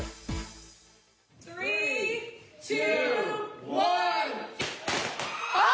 ３・２・１。